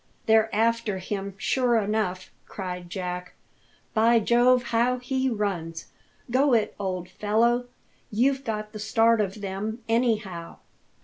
"They're after him, sure enough," cried Jack. "By Jove, how he runs! Go it, old fellow! you've got the start of them, anyhow."